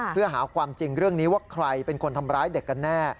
เพื่อหาความจริงเรื่องนี้ว่าใครเป็นคนทำร้ายเด็กกันแน่